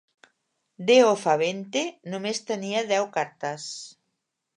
"Deo Favente" només tenia deu cartes.